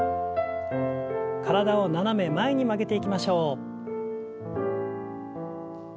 体を斜め前に曲げていきましょう。